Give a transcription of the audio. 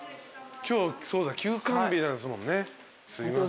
今日そうだ休館日なんすもんねすいません。